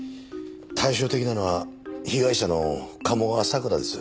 対照的なのは被害者の鴨川咲良です。